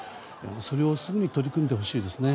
それをすぐに取り組んでほしいですね。